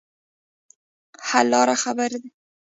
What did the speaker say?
حل لاره خبرې دي.